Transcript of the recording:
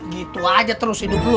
gitu aja terus hidup gue